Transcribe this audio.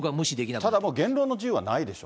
ただもう、言論の自由はないでしょ。